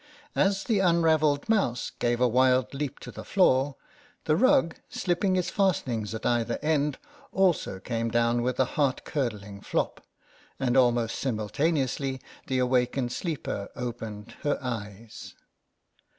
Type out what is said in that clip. As the unravelled mouse gave a wild leap to the floor, the rug, slipping its fastening at either end, also came down with a heart curdling flop, and almost simul taneously the awakened sleeper opened her eyes.